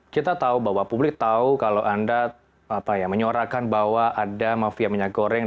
kita tahu bahwa publik tahu kalau anda menyorakan bahwa ada mafia minyak goreng